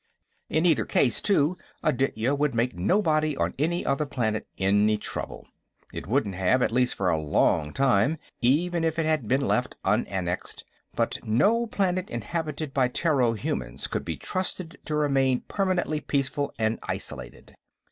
In either case, too, Aditya would make nobody on any other planet any trouble. It wouldn't have, at least for a long time, even if it had been left unannexed, but no planet inhabited by Terro humans could be trusted to remain permanently peaceful and isolated.